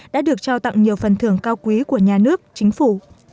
đã được trao tặng nhiều phần thưởng cao quý của nhà nước chính phủ